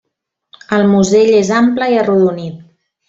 El musell és ample i arrodonit.